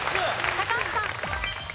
高橋さん。